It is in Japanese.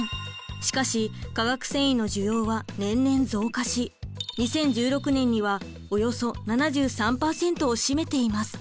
しかし化学繊維の需要は年々増加し２０１６年にはおよそ７３％を占めています。